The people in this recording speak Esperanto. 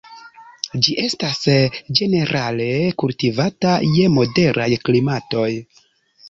Ĝi estas ĝenerale kultivata je moderaj klimatoj.